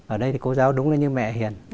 ở đây thì cô giáo đúng là như mẹ hiền